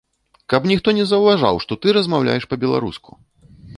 Каб ніхто не заўважаў, што ты размаўляеш па-беларуску!